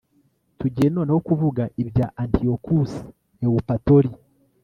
tugiye noneho kuvuga ibya antiyokusi ewupatori